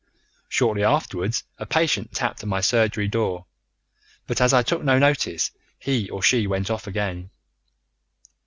Shortly afterwards a patient tapped at the surgery door, but as I took no notice, he or she went off again.